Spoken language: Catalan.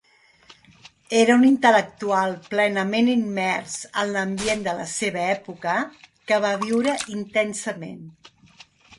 Era un intel·lectual plenament immers en l'ambient de la seva època, que va viure intensament.